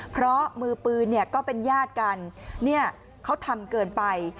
เพราะมือปืนก็เป็นญาติกันเขาทำเกินไป